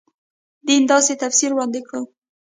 دین داسې تفسیر وړاندې کړو.